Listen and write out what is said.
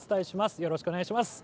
よろしくお願いします。